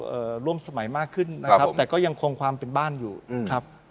ร่วมสมัยมากขึ้นนะครับแต่ก็ยังคงความเป็นบ้านอยู่อืมครับ